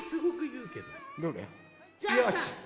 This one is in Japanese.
よし！